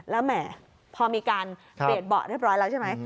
แล้วแหมพอมีการเปลี่ยนเบาะเรียบร้อยแล้วใช่ไหม